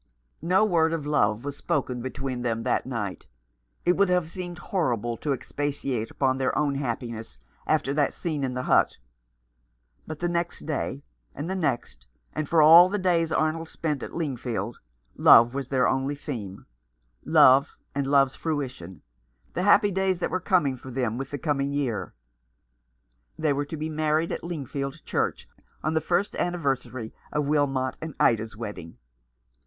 No word of love was spoken between them that night. It would have seemed horrible to expatiate upon their own happiness after that scene in the 387 Rough Justice. hut ; but the next day and the next, and for all the days Arnold spent at Lingfield, love was their only theme — love and love's fruition, the happy days that were coming for them with the coming year. They were to be married at Lingfield Church on the first anniversary of Wilmot and Ida's wedding.